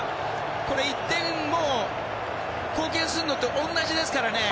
これ、１点貢献するのと同じですからね。